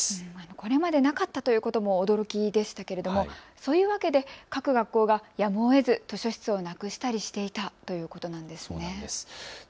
これまでなかったということも驚きでしたけれどもそういうわけで各学校がやむをえず図書室をなくしたりしていたということなんですね。